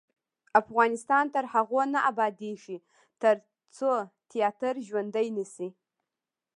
افغانستان تر هغو نه ابادیږي، ترڅو تیاتر ژوندی نشي.